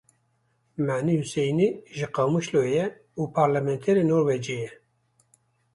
Manî Huseynî ji Qamişloyê ye û parlementerê Norwêcê ye.